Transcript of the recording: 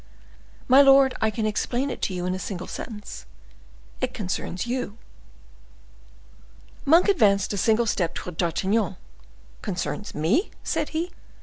"My lord, I can explain it to you in a single sentence; it concerns you." Monk advanced a single step towards D'Artagnan. "Concerns me?" said he.